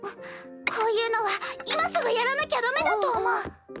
こういうのは今すぐやらなきゃダメだと思う！